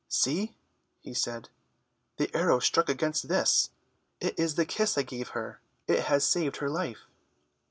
"See," he said, "the arrow struck against this. It is the kiss I gave her. It has saved her life."